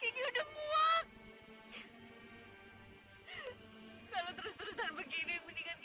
ini semua kan gara gara kamu bu gara gara kamu